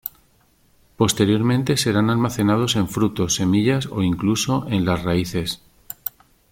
Posteriormente serán almacenados en frutos, semillas o incluso en las raíces.